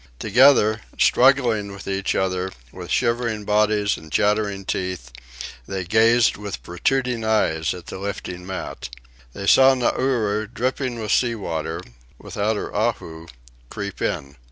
Together, struggling with each other, with shivering bodies and chattering teeth, they gazed with protruding eyes at the lifting mat. They saw Nauri, dripping with sea water, without her ahu, creep in.